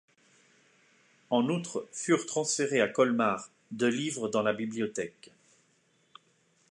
En outre furent transférés à Colmar de livres dans la bibliothèque.